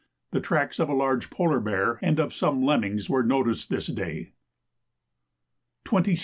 The tracks of a large Polar bear and of some lemmings were noticed this day. 26th.